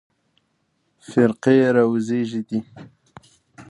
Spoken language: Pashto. فرقې راوزېږېدې.